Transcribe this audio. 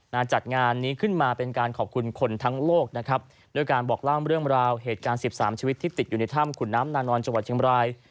จัดงานนี้ขึ้นมาเป็นการขอบคุณคนทั้งโลกนะครับด้วยการบอกเล่าเรื่องราวเหตุการณ์สิบสามชีวิตที่ติดอยู่ในถ้ำขุนน้ำนานอนจังหวัดเชียงบราย